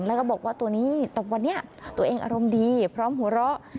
แล้วก็บอกว่าตัวนี้วันนี้ตัวเองอารมณ์ดีพร้อมหัวเราะ